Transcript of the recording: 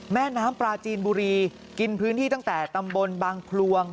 แม่น้ำปลาจีนบุรีกินพื้นที่ตั้งแต่ตำบลบางพลวง